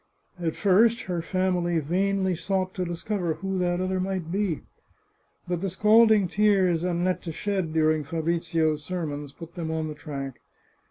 At first her family vainly sought to discover who that other might be. But the scalding tears Annetta shed during Fabrizio's sermons put them on the track.